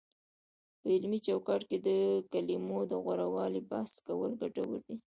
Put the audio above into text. په علمي چوکاټ کې د کلمو د غوره والي بحث کول ګټور دی،